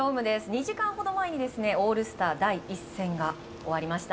２時間ほど前にオールスター第１戦が終わりました。